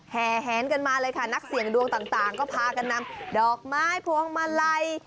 แหนกันมาเลยค่ะนักเสี่ยงดวงต่างก็พากันนำดอกไม้พวงมาลัย